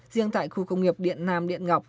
riêng tại khu công nghiệp điện nam điện ngọc